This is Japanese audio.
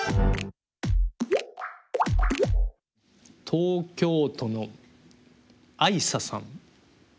東京都のあいささん。